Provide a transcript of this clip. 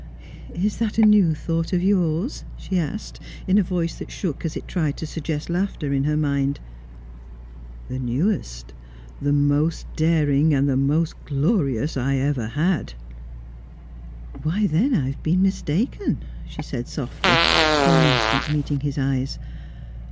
"Is that a new thought of yours?" she asked, in a voice that shook as it tried to suggest laughter in her mind. "The newest! The most daring and the most glorious I ever had." "Why, then I have been mistaken," she said softly, for an instant meeting his eyes.